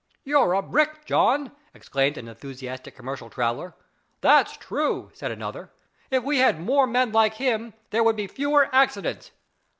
"You're a brick, John!" exclaimed an enthusiastic commercial traveller. "That's true," said another. "If we had more men like him, there would be fewer accidents."